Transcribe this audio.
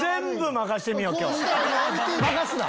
任すな！